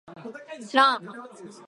しらん